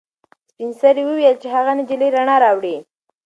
سپین سرې وویل چې هغه نجلۍ رڼا راوړي.